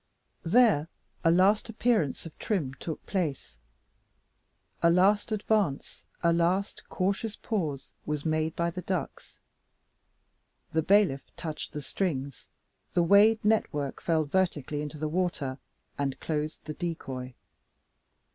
There a last appearance of Trim took place. A last advance, a last cautious pause, was made by the ducks. The bailiff touched the strings, the weighed net work fell vertically into the water, and closed the decoy.